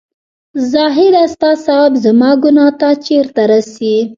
زاهـده سـتـا ثـواب زمـا ګـنـاه تـه چېرته رسـي